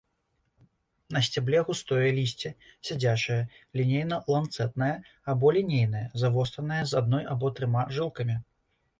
На сцябле густое лісце, сядзячае, лінейна-ланцэтнае або лінейнае, завостранае, з адной або трыма жылкамі.